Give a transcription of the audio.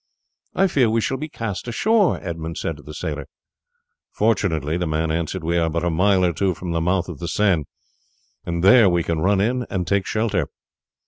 "I fear we shall be cast ashore," Edmund said to the sailor. "Fortunately," the man answered, "we are but a mile or two from the mouth of the Seine, and there we can run in and take shelter."